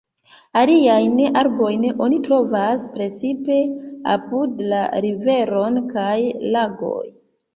Aliajn arbojn oni trovas precipe apud la riveroj kaj lagoj.